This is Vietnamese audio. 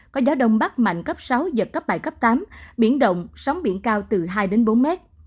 có gió đông bắc mạnh cấp sáu giật cấp bảy cấp tám biển động sóng biển cao từ hai đến bốn mét